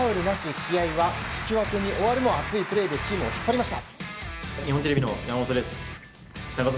試合は引き分けに終わるも熱いプレーでチームを引っ張りました。